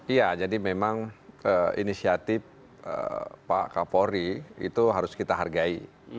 iya jadi memang inisiatif pak kapolri itu harus kita hargai